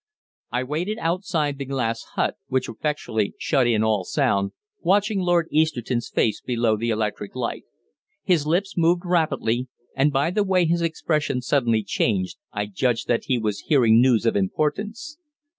I waited outside the glass hutch, which effectually shut in all sound, watching Lord Easterton's face below the electric light. His lips moved rapidly, and by the way his expression suddenly changed I judged that he was hearing news of importance.